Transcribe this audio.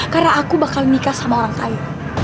karena aku bakal nikah sama orang kaya